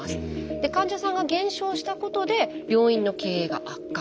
で患者さんが減少したことで病院の経営が悪化。